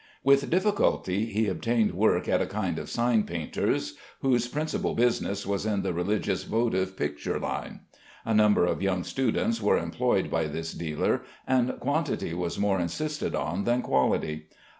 With difficulty he obtained work at a kind of sign painter's, whose principal business was in the religious votive picture line. A number of young students were employed by this dealer, and quantity was more insisted on than quality.